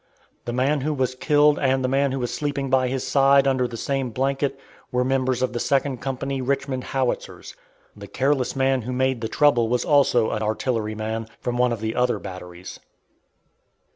The man who was killed and the man who was sleeping by his side under the same blanket, were members of the Second Company Richmond Howitzers. The careless man who made the trouble was also an artilleryman, from one of the other batteries.